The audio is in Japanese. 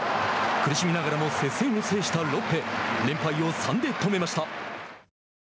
苦しみながらも接戦を制したロッテ連敗を３で止めました。